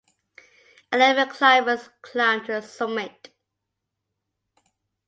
Eleven climbers climbed to the summit.